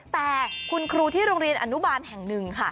แต่คุณครูที่โรงเรียนอนุบาลแห่งหนึ่งค่ะ